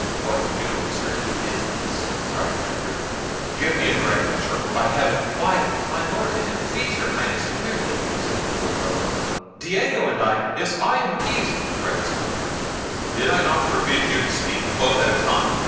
"What new absurdity is this?" cried Manfred; "give me a direct answer, or, by Heaven—" "Why, my Lord, if it please your Highness to hear me," said the poor fellow, "Diego and I—" "Yes, I and Jaquez—" cried his comrade. "Did not I forbid you to speak both at a time?"